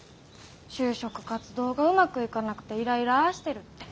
就職活動がうまくいかなくていらいらーしてるって。